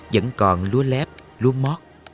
vẫn còn lúa lép lúa mót